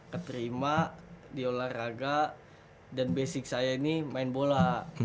keterima di olahraga dan basic saya ini main bola